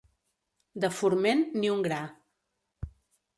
De forment, ni un gra.